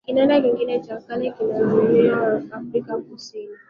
Kinanda kingine cha kale kinapatikana katika kanisa la Saint George huko Afrika Kusini